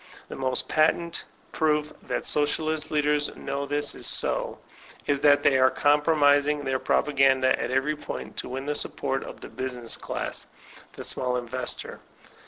The most patent proof that Socialist leaders know this is so, is that they are compromising their DntBCT Action 241 propaganda at every point to win the support of the busi ness class, the small investor.